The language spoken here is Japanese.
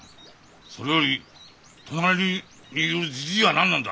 それより隣にいるじじいは何なんだ？